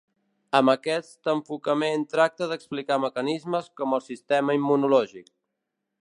Amb aquest enfocament tracta d'explicar mecanismes com el sistema immunològic.